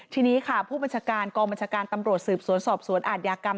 ทีนี้ค่ะผู้บัญชาการกองบัญชาการตำรวจสืบสวนสอบสวนอาทยากรรม